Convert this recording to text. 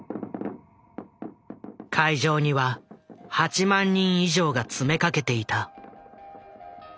会場には８万人以上が詰めかけていた。